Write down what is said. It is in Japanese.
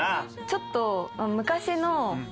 ちょっと。